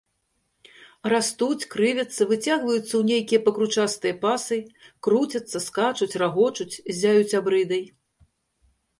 Растуць, крывяцца, выцягваюцца ў нейкія пакручастыя пасы, круцяцца, скачуць, рагочуць, ззяюць абрыдай.